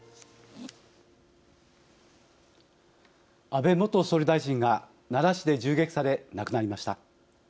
安倍元総理大臣が奈良市で銃撃され亡くなりました。